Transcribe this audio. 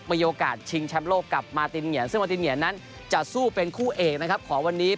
มีโอกาสชิงแชมป์โลกกับมาตินเหงียนซึ่งมาตินเหงียนนั้นจะสู้เป็นคู่เอกนะครับของวันนี้